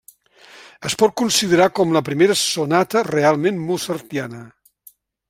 Es pot considerar com la primera sonata realment mozartiana.